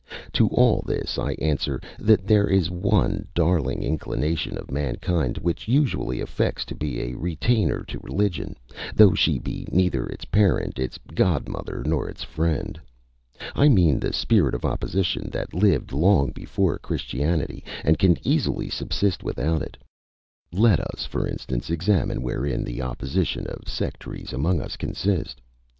To all this I answer, that there is one darling inclination of mankind which usually affects to be a retainer to religion, though she be neither its parent, its godmother, nor its friend. I mean the spirit of opposition, that lived long before Christianity, and can easily subsist without it. Let us, for instance, examine wherein the opposition of sectaries among us consists.